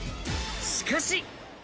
しかし。